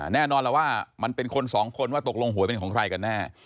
แน่นอนแล้วว่ามันเป็นคนสองคนว่าตกลงหวยเป็นของใครกันแน่